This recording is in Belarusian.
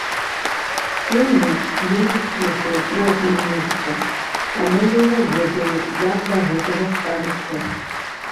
Сёння людзі слухаюць розную музыку, таму я не ведаю, як да гэтага ставіцца.